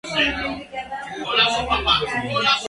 El maestro optó por lo práctico.